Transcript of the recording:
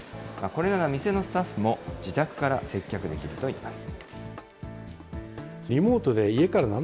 これなら店のスタッフも、自宅から接客できるといいます。